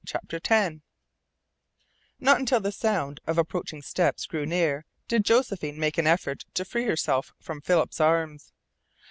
CHAPTER TEN Not until the sound of approaching steps grew near did Josephine make an effort to free herself from Philip's arms.